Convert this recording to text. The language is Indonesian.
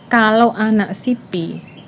kalau anak sipi